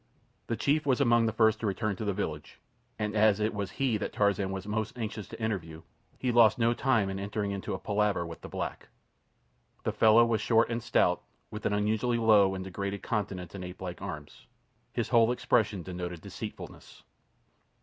The chief was among the first to return to the village, and as it was he that Tarzan was most anxious to interview, he lost no time in entering into a palaver with the black. The fellow was short and stout, with an unusually low and degraded countenance and apelike arms. His whole expression denoted deceitfulness.